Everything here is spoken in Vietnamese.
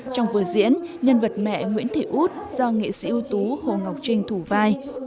trong vở diễn nhân vật mẹ nguyễn thị út do nghệ sĩ ưu tú hồ ngọc trinh thủ vai